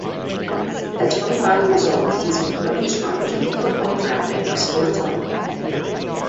At twenty-five years old, he has been put in charge of the football drafting of Sportitalia.